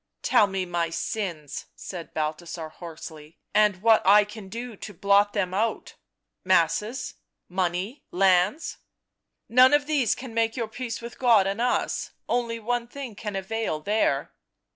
" Tell me my sins," said Balthasar hoarsely. " And what I can do to blot them out — masses, money, lands "" Hone of these can make your peace with God and us — one thing only can avail there."